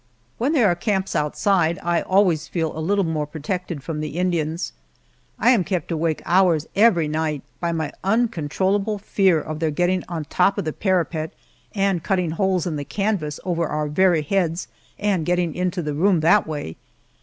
When there are camps outside I always feel a little more protected from the Indians. I am kept awake hours every night by my uncontrollable fear of their getting on top of the parapet and cutting holes in the canvas over our very heads and getting into the room that way.